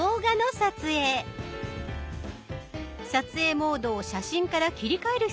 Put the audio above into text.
撮影モードを「写真」から切り替える必要があります。